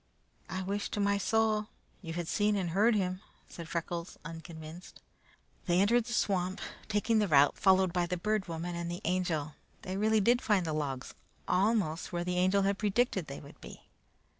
"I wish to my soul you had seen and heard him!" said Freckles, unconvinced. They entered the swamp, taking the route followed by the Bird Woman and the Angel. They really did find the logs, almost where the Angel had predicted they would be.